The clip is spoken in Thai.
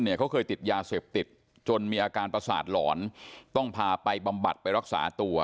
เขาเคยติดยาเสพติดจนมีอาการประสาทหลอนต้องพาไปบำบัดไปรักษาตัว